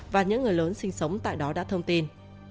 và những người lớn sinh sống tại đó đã thông tin